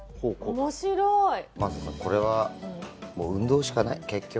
真麻さん、これは運動しかない、結局。